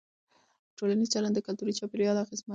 ټولنیز چلند د کلتوري چاپېریال اغېز دی.